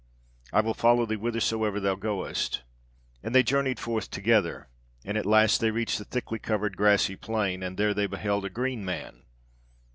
I will follow thee whithersoever thou goest.' "And they journeyed forth together, and at last they reached a thickly covered grassy plain, and there they beheld a green man.